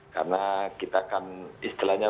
karena kita kan istilahnya